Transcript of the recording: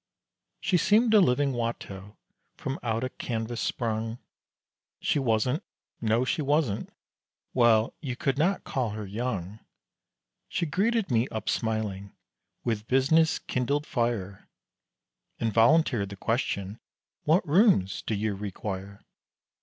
She seemed a living Watteau, from out a canvas sprung, She wasn't no, she wasn't well you could not call her young. She greeted me upsmiling, with business kindled fire, And volunteered the question, "What rooms do you require?"